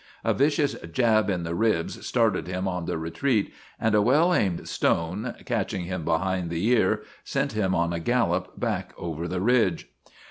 A vicious jab in the ribs started him on the retreat, and a well aimed stone, catching him behind the ear, sent him on a gallop back over the ridge.